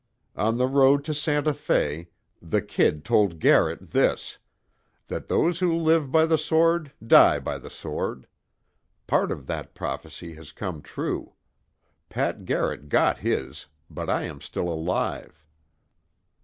On the road to Santa Fe, the 'Kid' told Garrett this: That those who live by the sword, die by the sword. Part of that prophecy has come true. Pat Garrett got his, but I am still alive.